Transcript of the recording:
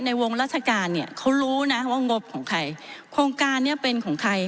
ในวงราชการเนี่ยเขารู้นะว่างบของใครโครงการเนี้ยเป็นของใคร